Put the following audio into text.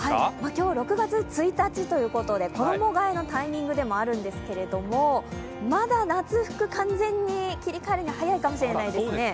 今日６月１日ということで衣がえのタイミングでもあるんですけれども、まだ夏服、完全に切り替えるには早いかもしれないですね。